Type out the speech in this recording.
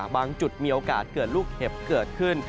บางจุดมีโอกาสเกิดลูกเห็บเกิดขึ้น